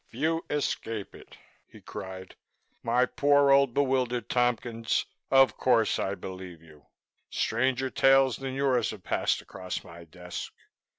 "Few escape it!" he cried. "My poor old bewildered Tompkins. Of course I believe you. Stranger tales than yours have passed across my desk.